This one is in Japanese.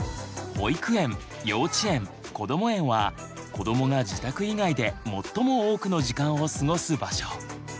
保育園幼稚園こども園は子どもが自宅以外で最も多くの時間を過ごす場所。